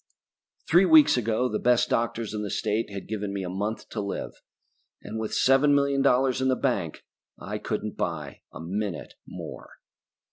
Three weeks ago the best doctors in the state had given me a month to live. And with seven million dollars in the bank I couldn't buy a minute more.